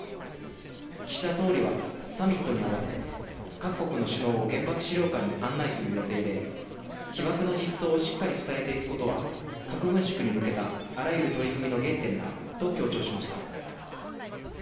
岸田総理は、サミットに合わせ、各国の首脳を原爆資料館に案内する予定で、被爆の実相をしっかり伝えていくことは核軍縮に向けたあらゆる取り組みの原点だと強調しました。